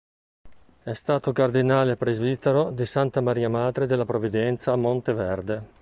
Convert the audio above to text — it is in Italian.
È stato cardinale presbitero di Santa Maria Madre della Provvidenza a Monte Verde.